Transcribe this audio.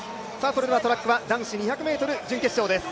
それではトラックは男子２００ｍ準決勝です。